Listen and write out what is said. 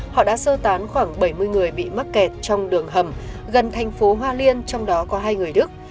họ đã sơ tán khoảng bảy mươi người bị mắc kẹt trong đường hầm gần thành phố hoa liên trong đó có hai người đức